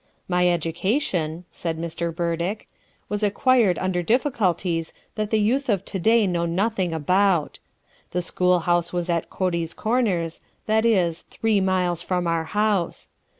"My education," said Mr. Burdick, "was acquired under difficulties that the youth of to day know nothing about. The school house was at Cody's Corners, that is, three miles from our house.